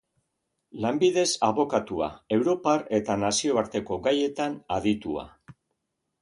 Lanbidez, abokatua, europar eta nazioarteko gaietan aditua.